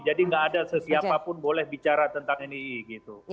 jadi gak ada sesiapa pun boleh bicara tentang nii gitu